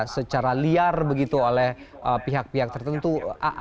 secara liar begitu oleh pihak pihak tertentu